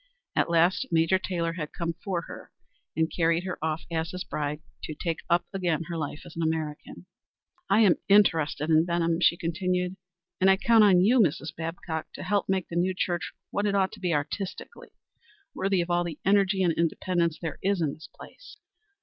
At last Major Taylor had come for her and carried her off as his bride to take up again her life as an American. "I am interested in Benham," she continued, "and I count on you, Mrs. Babcock, to help make the new church what it ought to be artistically worthy of all the energy and independence there is in this place."